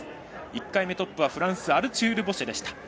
１回目トップはフランスアルチュール・ボシェでした。